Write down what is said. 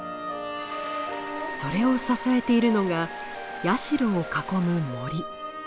それを支えているのが社を囲む森。